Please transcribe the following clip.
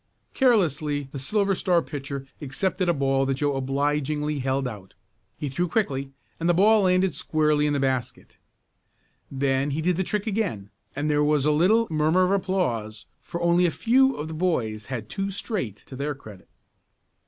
Carelessly the Silver Star pitcher accepted a ball that Joe obligingly held out. He threw quickly and the ball landed squarely in the basket. Then he did the trick again, and there was a little murmur of applause, for only a few of the boys had "two straight" to their credit.